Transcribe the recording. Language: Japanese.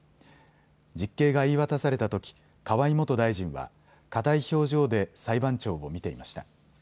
実刑が言い渡されたとき、河井元大臣はかたい表情で裁判長を見ていました。